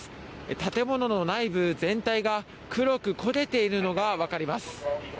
建物の内部全体が黒く焦げているのがわかります。